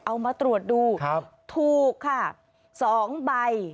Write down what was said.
เอามาตรวจดูถูกค่ะ๒ใบ